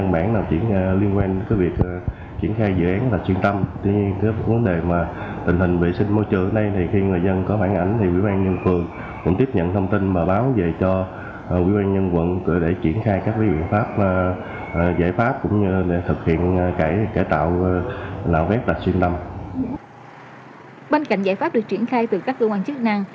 bên cạnh giải pháp được triển khai từ các cơ quan chức năng